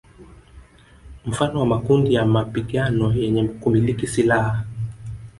Mfano wa makundi ya mapigano yenye kumiliki silaha